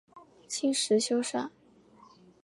清时修缮。